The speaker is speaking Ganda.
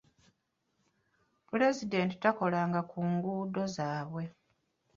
Pulezidenti takolanga ku nguudo zaabwe.